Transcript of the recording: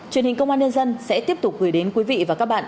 truyền hình công an nhân dân sẽ tiếp tục gửi đến quý vị và các bạn